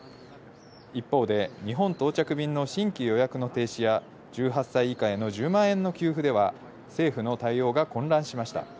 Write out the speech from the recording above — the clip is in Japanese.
一方で日本到着便の新規予約の停止や１８歳以下への１０万円の給付では政府の対応が混乱しました。